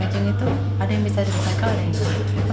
packing itu ada yang bisa di recycle ada yang tidak